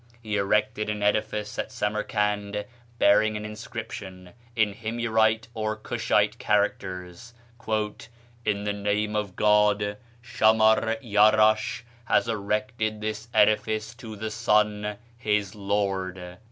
He erected an edifice at Samarcand, bearing an inscription, in Himyarite or Cushite characters, 'In the name of God, Schamar Iarasch has erected this edifice to the sun, his Lord."